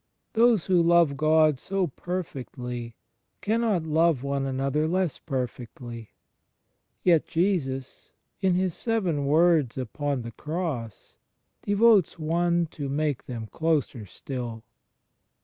Those who love God so perfectly cannot love one another less perfectly. ... Yet Jesus, in His seven words upon the Cross, devotes one to make them closer still.